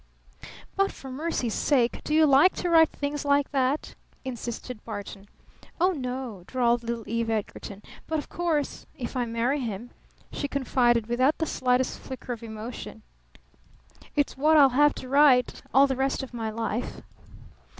"But for mercy's sake do you like to write things like that?" insisted Barton. "Oh, no," drawled little Eve Edgarton. "But of course if I marry him," she confided without the slightest flicker of emotion, "it's what I'll have to write all the rest of my life."